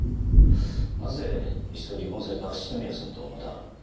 なぜ一度離婚された篠宮さんとまた？